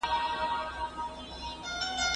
کور او کوڅې بايد له کثافاتو خالي وي.